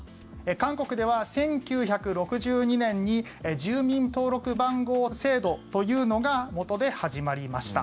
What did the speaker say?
韓国では１９６２年に住民登録番号制度というのがもとで始まりました。